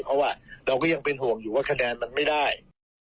เพราะว่าเราก็ยังเป็นห่วงอยู่ว่าคะแนนมันไม่ได้